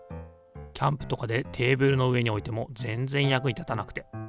キャンプとかでテーブルの上に置いても全然役に立たなくて。